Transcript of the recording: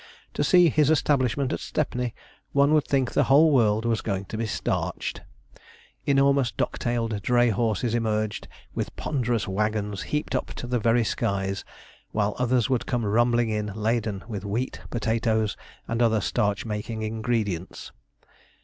To see his establishment at Stepney, one would think the whole world was going to be starched. Enormous dock tailed dray horses emerged with ponderous waggons heaped up to the very skies, while others would come rumbling in, laden with wheat, potatoes, and other starch making ingredients.